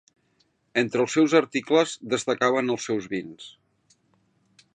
Entre els seus articles destacaven els seus vins.